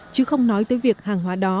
chứ không nói tới việc hàng hóa đó